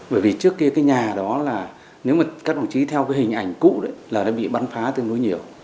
bởi vì trước kia cái nhà đó là nếu mà các đồng chí theo cái hình ảnh cũ đấy là nó bị bắn phá tương đối nhiều